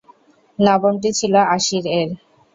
নবমটি ছিল আশীর-এর।